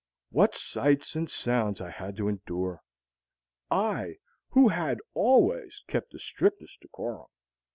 What sights and sounds I had to endure I who had always kept the strictest decorum!